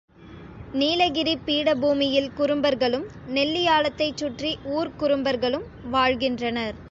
நீலகிரிப் பீடபூமியில் குறும்பர்களும், நெல்லியாளத்தை ச் சுற்றி ஊர்க்குறும்பர்களும் வாழ்கின்றனர்.